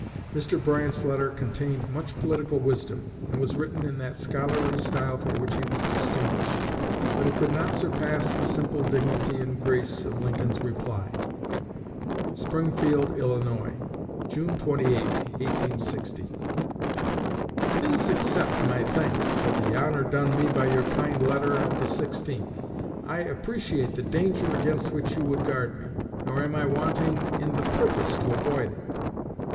Mr. Bryant's letter contained much political wisdom, and was written in that scholarly style for which he was distinguished. But it could not surpass the simple dignity and grace of Lincoln's reply: SPRINGFIELD, ILL., JUNE 28, 1860. Please accept my thanks for the honor done me by your kind letter of the 16th. I appreciate the danger against which you would guard me; nor am I wanting in the purpose to avoid it.